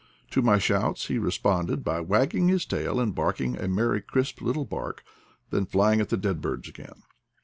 To my shouts he responded by wagging his tail, and barking a merry crisp little bark, then flying at the dead birds again.